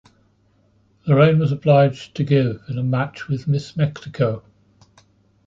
Lorraine was obliged to give in a match with Miss Mexico.